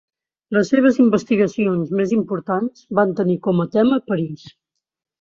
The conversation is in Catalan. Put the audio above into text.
Les seves investigacions més importants van tenir com a tema París.